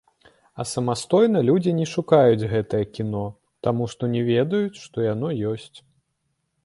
А самастойна людзі не шукаюць гэтае кіно, таму што не ведаюць, што яно ёсць.